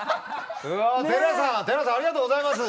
寺さんありがとうございます。